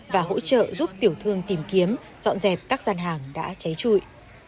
và hỗ trợ giúp tiểu thương tìm kiếm dọn dẹp các gian hàng đã cháy trụi